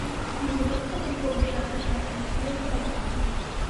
ivuga ko ubwo bushakashatsi bukwiye guhagarikwa